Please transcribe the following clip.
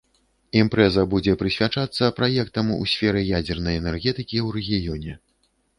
Імпрэза будзе прысвячацца праектам у сферы ядзернай энергетыкі ў рэгіёне.